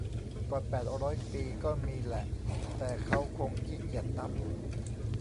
ก่อนแปดร้อยปีก็มีแหละ แต่เค้าคงขี้เกียจนับ